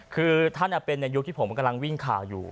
คือท่านเป็นในยุคที่ผมกำลังวิ่งข่าวอยู่